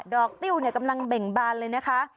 ติ้วกำลังเบ่งบานเลยนะคะ